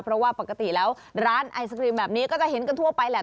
เพราะว่าปกติแล้วร้านไอศครีมแบบนี้ก็จะเห็นกันทั่วไปแหละ